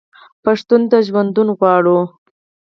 پښتون ته ژوندون غواړو.